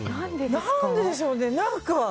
何ででしょうね。